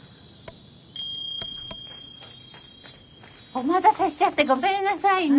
お待たせしちゃってごめんなさいね。